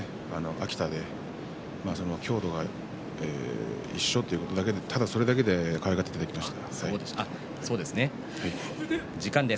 秋田で郷土が一緒ということただそれだけでかわいがっていただきました。